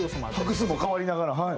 拍数も変わりながらはい。